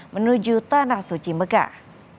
menuju tanah suci mekah